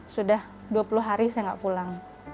sudah dua puluh hari saya nggak pulang